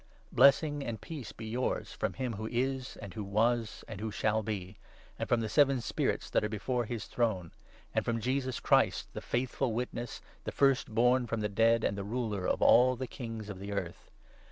4 Blessing and peace be yours from him who is, and who was, and who shall be, and from the seven Spirits that are before his throne, and from Jesus Christ, ' the faithful Witness, the 5 First born from the dead, and the Ruler of all the Kings of the earth.'